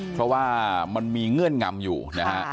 เพราะว่ามันมีเงื่อนงำอยู่นะฮะ